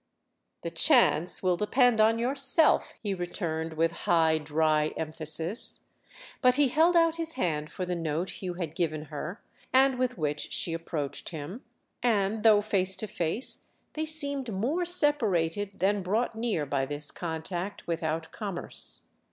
"The chance will depend on yourself!" he returned with high dry emphasis. But he held out his hand for the note Hugh had given her and with which she approached him; and though face to face they seemed more separated than brought near by this contact without commerce.